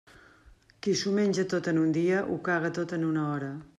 Qui s'ho menja tot en un dia, ho caga tot en una hora.